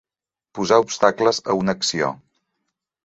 Posar obstacles a una acció.